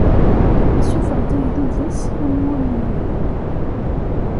Issufeɣ-d agdud-is am wulli.